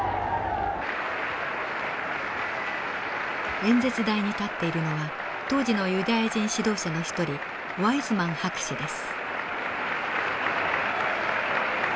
演説台に立っているのは当時のユダヤ人指導者の一人ワイズマン博士です。